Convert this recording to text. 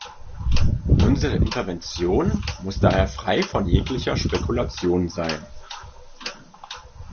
Unsere Intervention muss daher frei von jeglicher Spekulation sein.